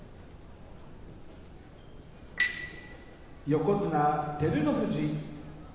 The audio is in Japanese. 横綱照ノ富士。